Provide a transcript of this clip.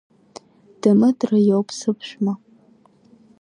Дамытра иоуп сыԥшәма.